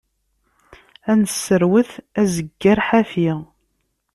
Ad nesserwet azeggar ḥafi.